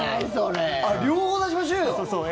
両方出しましょうよ。